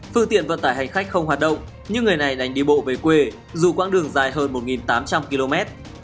phương tiện vận tải hành khách không hoạt động nhưng người này đành đi bộ về quê dù quãng đường dài hơn một tám trăm linh km